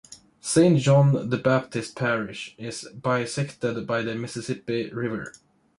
Saint John the Baptist Parish is bisected by the Mississippi River.